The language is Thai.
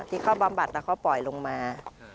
ที่เขาบำบัดแล้วเขาปล่อยลงมา